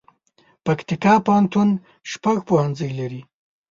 پکتیکا پوهنتون شپږ پوهنځي لري